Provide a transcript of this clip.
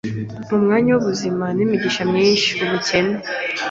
Mu mwanya w’ubuzima n’imigisha myinshi, ubukene